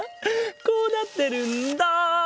こうなってるんだ。